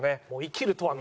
「生きるとは？」